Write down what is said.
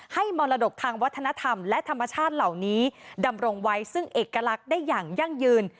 มรดกทางวัฒนธรรมและธรรมชาติเหล่านี้ดำรงไว้ซึ่งเอกลักษณ์ได้อย่างยั่งยืน